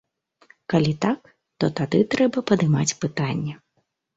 Калі так, то тады трэба падымаць пытанне.